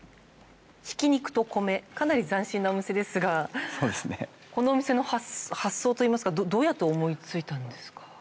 挽肉と米かなり斬新なお店ですがこのお店の発想発想といいますかどうやって思いついたんですか？